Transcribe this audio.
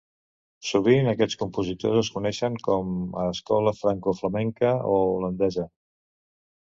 Sovint, aquests compositors es coneixen com a escola francoflamenca o holandesa.